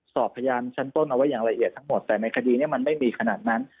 สอบพยานชั้นต้นเอาไว้อย่างละเอียดทั้งหมดแต่ในคดีนี้มันไม่มีขนาดนั้น